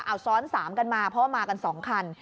เอาซ้อน๓กันมาเพราะว่ามากัน๒คัน